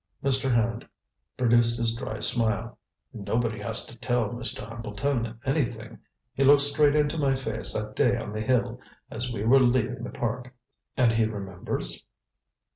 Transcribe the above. Mr. Hand produced his dry smile. "Nobody has to tell Mr. Hambleton anything. He looked straight into my face that day on the hill, as we were leaving the park." "And he remembers?"